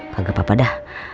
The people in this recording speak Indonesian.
gak apa apa dah